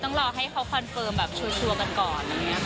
ต้องลอให้เค้าคอนเฟิมแบบชัวร์กันก่อน